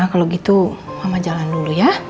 kalau gitu mama jalan dulu ya